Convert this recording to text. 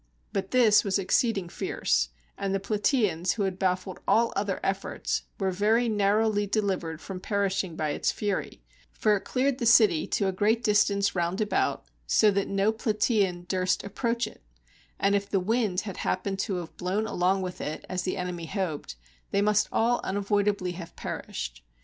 But this was ex ceeding fierce; and the Plataeans, who had bafiied all other efforts, were very narrowly deHvered from perish ing by its fury; for it cleared the city to a great dis tance round about, so that no Plataean durst approach it: and if the wind had happened to have blown along with it, as the enemy hoped, they must all unavoid ably have perished.